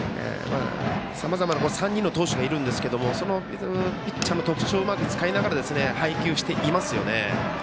さまざまな３人の投手がいるんですけれどもピッチャーの特徴をうまく使いながら配球していますよね。